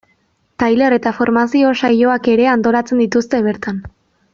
Tailer eta formazio saioak ere antolatzen dituzte bertan.